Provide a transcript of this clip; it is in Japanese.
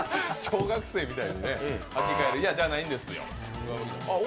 小学生みたいに履き替えるじゃないんですよ。